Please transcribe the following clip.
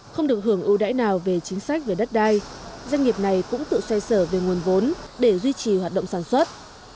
không được hưởng ưu đãi nào về chính sách về đất đai doanh nghiệp này cũng tự xoay sở về nguồn vốn để duy trì hoạt động sản xuất